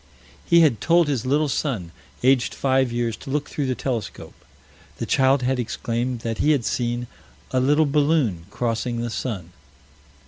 He had told his little son, aged five years, to look through the telescope. The child had exclaimed that he had seen "a little balloon" crossing the sun.